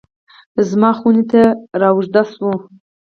زما خونې ته رااوږده شوه